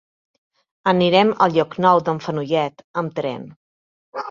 Anirem a Llocnou d'en Fenollet amb tren.